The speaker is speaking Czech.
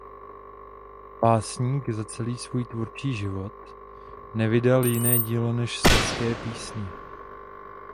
Básník za celý svůj tvůrčí život nevydal jiné dílo než Slezské písně.